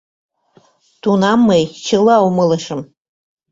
Тунам мый чыла умылышым.